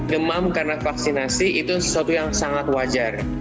demam karena vaksinasi itu sesuatu yang sangat wajar